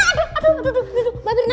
aduh aduh aduh aduh mbak mirna